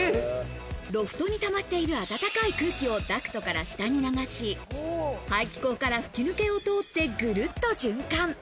ロフトにたまっている暖かい空気をダクトから下に流し、排気口から吹き抜けを通って、ぐるっと循環。